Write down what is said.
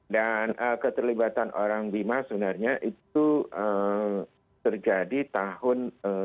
dan keterlibatan orang bimas sebenarnya itu terjadi tahun dua ribu satu dua ribu dua